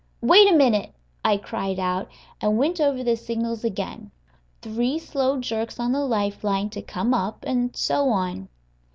"Wait a minute," I cried out, and went over the signals again three slow jerks on the life line to come up, and so on.